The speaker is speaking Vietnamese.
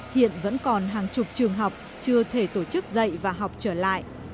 hiện vẫn còn hàng chục trường học chưa thể tổ chức dạy và học trở lại